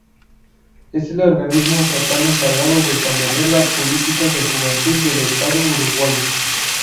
Es el organismo estatal encargado de establecer las políticas de juventud del Estado Uruguayo.